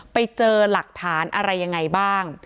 ไปเจอหลักฐานอะไรยังไงบ้าง